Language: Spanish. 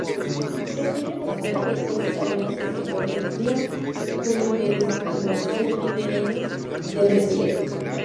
Prefiere bosques abiertos cálidos y secos de piñón -"Juniperus" y bosques ribereños del desierto.